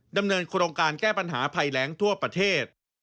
ดำเนินโครงการแก้ปัญหาภัยแรงทั่วประเทศ